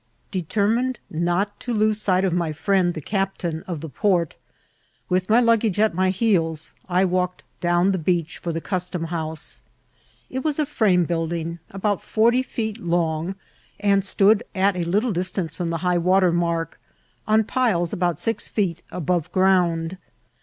Determined not to lose sight of my firiend the captain of the port, with my luggage at my heels I walked down the beach for the custom house. It was a firame boilding, about forty feet long, and stood at a little dis tance aboTe high water mark, on piles aboi:^ six feet abore ground.